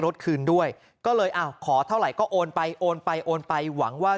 รถคืนด้วยก็เลยอ้าวขอเท่าไหร่ก็โอนไปโอนไปโอนไปหวังว่า